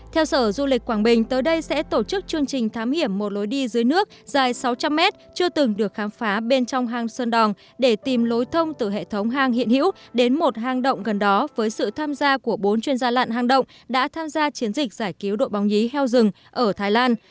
theo sở du lịch quảng bình tới đây sẽ tổ chức chương trình thám hiểm một lối đi dưới nước dài sáu trăm linh mét chưa từng được khám phá bên trong hang sơn đòn để tìm lối thông từ hệ thống hang hiện hữu đến một hang động gần đó với sự tham gia của bốn chuyên gia lặn hang động đã tham gia chiến dịch giải cứu đội bóng nhí heo rừng ở thái lan